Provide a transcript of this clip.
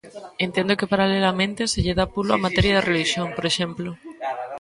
Entendo que paralelamente se lle da pulo á materia de relixión, por exemplo.